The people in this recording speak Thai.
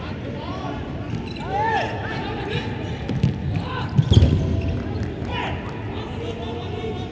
อัศวินธรรมชาติอัศวินธรรมชาติ